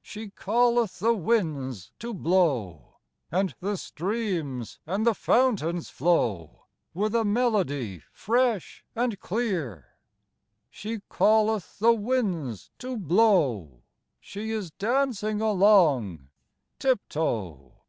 She calleth the winds to blow, And the streams and the fountains flow With a melody fresh and clear. She calleth the winds to blow, She is dancing along tip toe